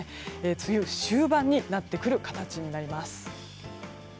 梅雨終盤になってくる形になります。